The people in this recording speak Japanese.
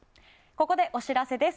ここでお知らせです。